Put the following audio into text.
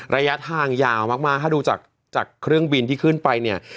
ระยะทางยาวมากถ้าดูจากเครื่องบินที่ขึ้นไปเนี่ย